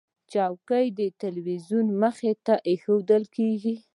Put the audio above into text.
چوکۍ د تلویزیون مخې ته ایښودل کېږي.